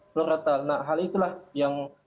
florata nah hal itulah yang